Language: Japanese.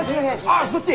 あっそっち？